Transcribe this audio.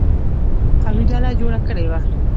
قوي ډله جوړه کړې ده.